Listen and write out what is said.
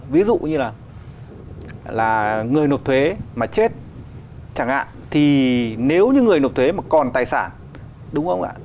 ví dụ như là người nộp thuế mà chết chẳng hạn thì nếu như người nộp thuế mà còn tài sản đúng không ạ